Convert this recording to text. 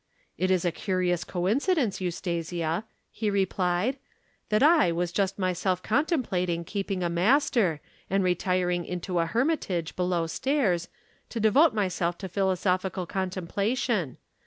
'It is a curious coincidence, Eustasia,' he replied, 'that I was just myself contemplating keeping a master and retiring into a hermitage below stairs, to devote myself to philosophical contemplation.